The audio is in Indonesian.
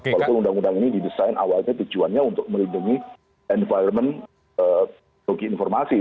walaupun undang undang ini didesain awalnya tujuannya untuk melindungi environment logi informasi